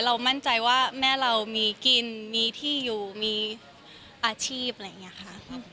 มั่นใจว่าแม่เรามีกินมีที่อยู่มีอาชีพอะไรอย่างนี้ค่ะ